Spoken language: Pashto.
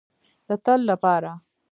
د تل لپاره.